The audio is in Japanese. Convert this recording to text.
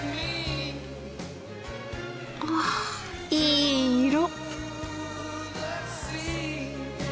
うわいい色。